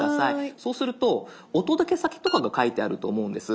そうするとお届け先とかが書いてあると思うんです。